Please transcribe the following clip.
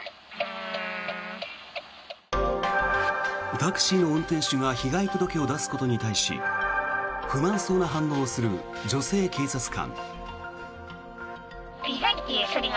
タクシーの運転手が被害届を出すことに対し不満そうな反応をする女性警察官。